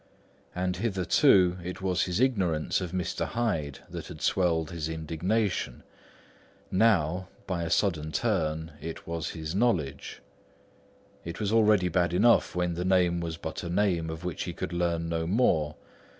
And hitherto it was his ignorance of Mr. Hyde that had swelled his indignation; now, by a sudden turn, it was his knowledge. It was already bad enough when the name was but a name of which he could learn no more.